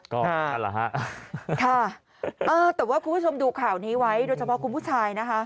คุณผู้ชมดูข่าวนี้ไว้โดยเฉพาะคุณผู้ชาย